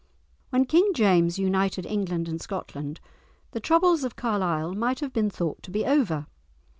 When King James united England and Scotland, the troubles of Carlisle might have been thought to be over.